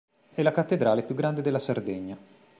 È la cattedrale più grande della Sardegna.